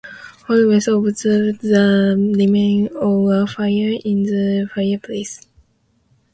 Holmes observes the remains of a fire in the fireplace.